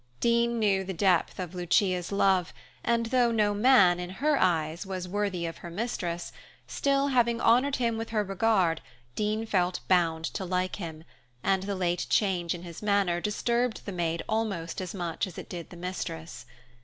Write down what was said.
Dean knew the depth of Lucia's love, and though no man, in her eyes, was worthy of her mistress, still, having honored him with her regard, Dean felt bound to like him, and the late change in his manner disturbed the maid almost as much as it did the mistress.